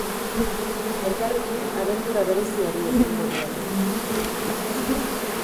Elkarrekin abentura bereziari ekingo diote.